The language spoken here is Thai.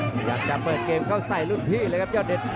พยายามจะเปิดเกมเข้าใส่รุ่นพี่เลยครับยอดเด็ด